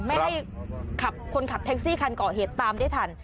ไม่ให้คนขับแท็กซี่คันก่อเหตุตามได้ทัน